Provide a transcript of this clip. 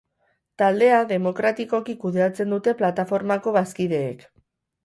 Taldea demokratikoki kudeatzen dute plataformako bazkideek.